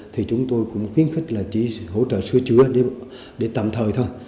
thì chúng tôi cũng khuyến khích là chỉ hỗ trợ sưu trứa để tạm thời thôi